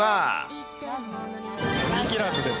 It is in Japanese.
おにぎらずです。